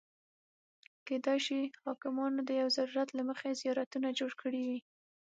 کېدای شي حاکمانو د یو ضرورت له مخې زیارتونه جوړ کړي وي.